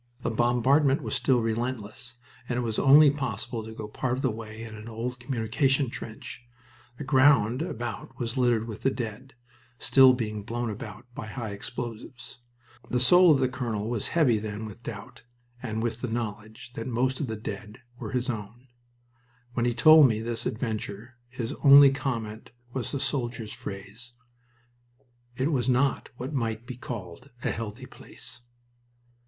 The bombardment was still relentless, and it was only possible to go part of the way in an old communication trench. The ground about was littered with the dead, still being blown about by high explosives. The soul of the colonel was heavy then with doubt and with the knowledge that most of the dead here were his own. When he told me this adventure his only comment was the soldier's phrase, "It was not what might be called a 'healthy' place."